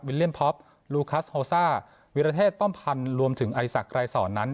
เลี่ยมพ็อปลูคัสโฮซ่าวิรเทศป้อมพันธ์รวมถึงไอศักดรายสอนนั้น